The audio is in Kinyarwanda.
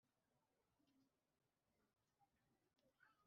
abatavugaga rumwe n'abandi barishwe